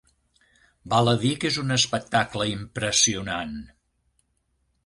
Val a dir que és un espectacle impressionant.